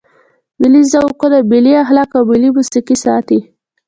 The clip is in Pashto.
ملي ذوقونه، ملي اخلاق او ملي موسیقي ساتي.